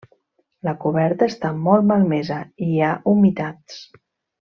La coberta està molt malmesa i hi ha humitats.